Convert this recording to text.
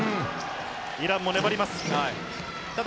イランも粘ります。